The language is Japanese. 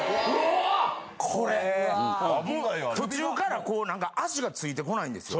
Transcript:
途中からこうなんか足がついてこないんですよ。